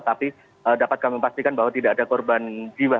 tapi dapat kami pastikan bahwa tidak ada korban jiwa